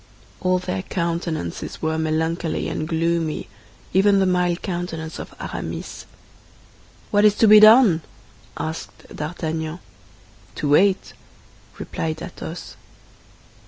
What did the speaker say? All their countenances were melancholy and gloomy, even the mild countenance of Aramis. "What is to be done?" asked D'Artagnan. "To wait!" replied Athos.